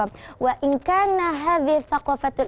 dan yang penting adalah kehormatan